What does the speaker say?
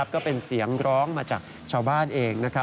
ก็เป็นเสียงร้องมาจากชาวบ้านเอง